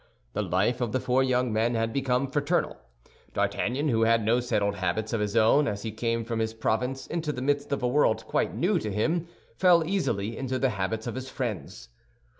The life of the four young men had become fraternal. D'Artagnan, who had no settled habits of his own, as he came from his province into the midst of a world quite new to him, fell easily into the habits of his friends.